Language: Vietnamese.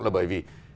là bởi vì